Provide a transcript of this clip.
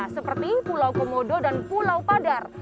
seperti pulau komodo dan pulau padar